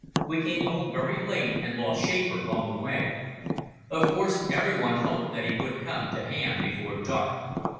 We came home very late and lost Schäfer on the way. Of course everyone hoped that he would come to hand before dark.